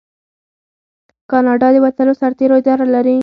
کاناډا د وتلو سرتیرو اداره لري.